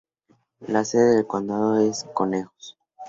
La sede del condado es Conejos.